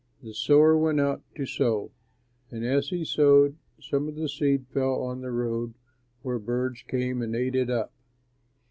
The sower went out to sow, and as he sowed, some of the seed fell on the road where birds came and ate it up.